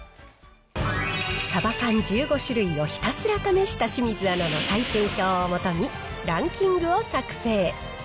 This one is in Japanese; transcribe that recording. サバ缶１５種類をひたすら試した清水アナの採点表を基にランキングを作成。